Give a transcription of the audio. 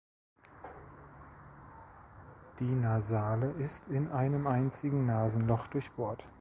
Die Nasale ist in einem einzigen Nasenloch durchbohrt.